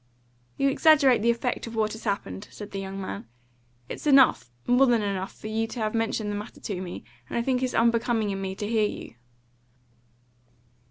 "You exaggerate the effect of what has happened," said the young man. "It's enough, more than enough, for you to have mentioned the matter to me, and I think it's unbecoming in me to hear you."